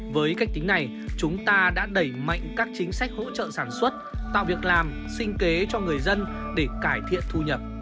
với cách tính này chúng ta đã đẩy mạnh các chính sách hỗ trợ sản xuất tạo việc làm sinh kế cho người dân để cải thiện thu nhập